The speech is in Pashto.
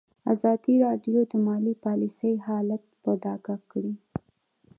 ازادي راډیو د مالي پالیسي حالت په ډاګه کړی.